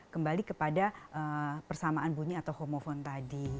kembali kepada persamaan bunyi atau homofon tadi